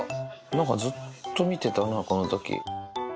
なんかずっと見てたな、このとき。